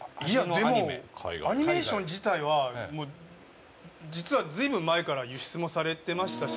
でも、アニメーション自体は実は、随分前から輸出もされてましたし。